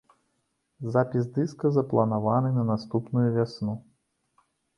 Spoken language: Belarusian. Запіс дыска запланаваны на наступную вясну.